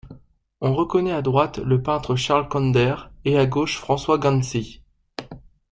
On reconnaît, à droite, le peintre Charles Conder, et à gauche, François Ganzi.